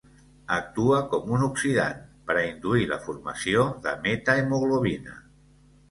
Actua com un oxidant, per a induir la formació de metahemoglobina.